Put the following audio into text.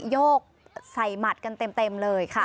โยกใส่หมัดกันเต็มเลยค่ะ